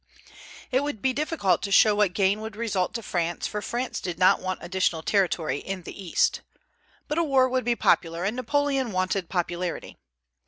It would be difficult to show what gain would result to France, for France did not want additional territory in the East. But a war would be popular, and Napoleon wanted popularity.